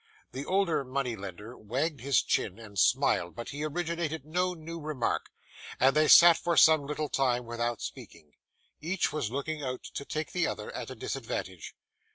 The older money lender wagged his chin and smiled, but he originated no new remark, and they sat for some little time without speaking. Each was looking out to take the other at a disadvantage.